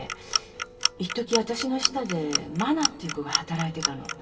いっとき私の下でマナっていう子が働いてたの。